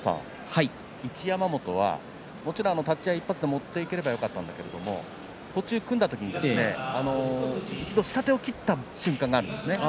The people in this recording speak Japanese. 一山本はもちろん立ち合い１発で持っていければよかったんだけれど途中組んだ時に一度下手を切った瞬間があるんです。